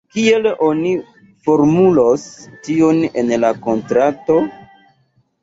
Kiel oni formulos tion en la kontrakto?